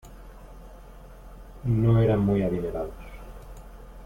No eran muy adinerados.